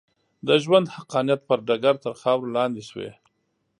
د ژوند حقانیت پر ډګر تر خاورو لاندې شوې.